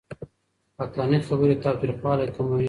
عقلاني خبرې تاوتريخوالی کموي.